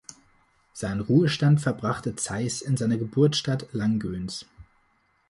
Seinen Ruhestand verbrachte Zeiß in seiner Geburtsstadt Langgöns.